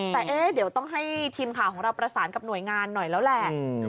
แต่เดี๋ยวต้องให้ทีมข่าวของเราประสานกับหน่วยงานหน่อยแล้วแหละ